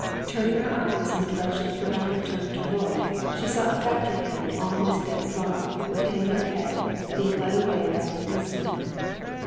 Turning her eyes in the direction Pyotr had turned to look, she saw a factory hand almost dead drunk, with hanging head, being led away by a policeman.